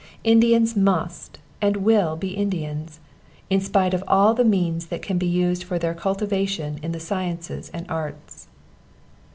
Indians must and will be Indians, In spite of all the means that can be used for their cultivation in the sciences and arts.